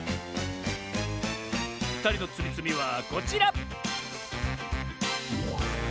ふたりのつみつみはこちら！